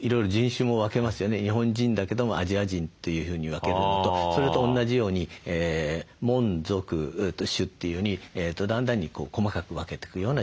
日本人だけどもアジア人というふうに分けるのとそれとおんなじように「門」「属」「種」というようにだんだんに細かく分けていくような状態ですね。